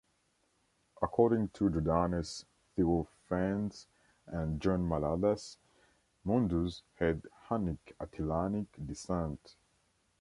According to Jordanes, Theophanes and John Malalas, Mundus had Hunnic Attilanic descent.